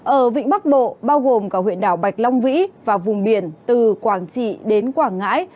ở vịnh bắc bộ bao gồm cả huyện đảo bạch long vĩ và vùng biển từ quảng trị đến quảng ngãi